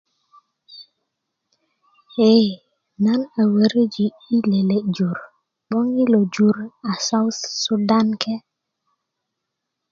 e nan a wöröji i lele jur 'boŋ i lo jir a south sudan ke